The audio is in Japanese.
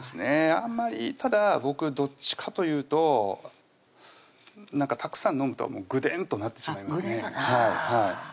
あんまりただ僕どっちかというとたくさん飲むとぐでんとなってしまいますね